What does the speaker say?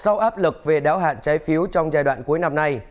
sau áp lực về đáo hạn trái phiếu trong giai đoạn cuối năm nay